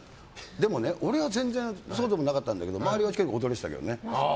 でもね、俺は全然そうでもなかったんだけど周りは驚いてたけどね。